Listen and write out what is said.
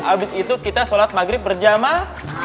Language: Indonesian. abis itu kita sholat maghrib berjamaah